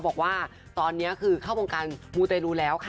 บอกว่าตอนนี้คือเข้าวงการมูเตรลูแล้วค่ะ